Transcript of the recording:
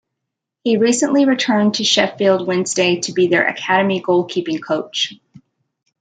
He recently returned to Sheffield Wednesday to be their Academy Goalkeeping Coach.